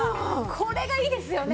これがいいですよね。